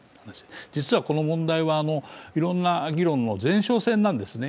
実はこの問題はいろんな議論の前哨戦なんですね。